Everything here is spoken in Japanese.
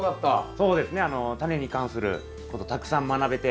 そうですねタネに関することたくさん学べて。